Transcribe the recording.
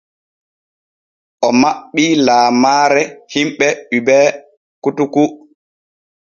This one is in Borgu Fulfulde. O maɓɓii laamaare hiɓɓe Hubert koutoukou.